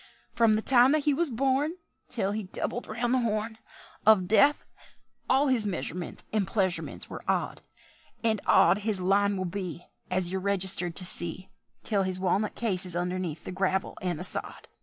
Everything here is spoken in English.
"Frum the time that he was born Till he doubled round the Horn Of Death, all his measurements and pleasurements were odd; And odd his line will be, As you're registered to see, Till his walnut case is underneath the gravel and the sod."